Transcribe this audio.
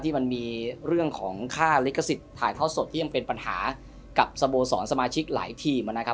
มันมีเรื่องของค่าลิขสิทธิ์ถ่ายทอดสดที่ยังเป็นปัญหากับสโมสรสมาชิกหลายทีมนะครับ